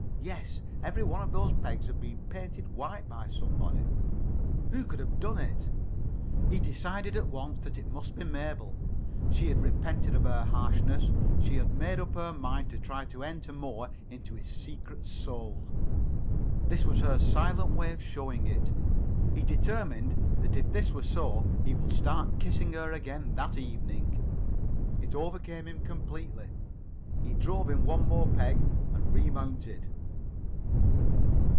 Yes, every one of those pegs had been painted white by somebody. Who could have done it? He decided at once that it must be Mabel. She had repented of her harshness. She had made up her mind to try to enter more into his secret soul. This was her silent way of showing it. He determined that if this were so he would start kissing her again that evening. It overcame him completely. He drove in one more peg, and re mounted.